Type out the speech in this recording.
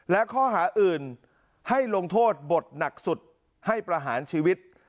และข้อหาอื่นให้ลงโทษบทหนักสุดให้ประหารชีวิต